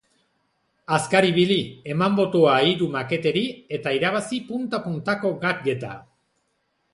Azkar ibili, eman botoa hiru maketeri eta irabazi punta puntako gadget-a!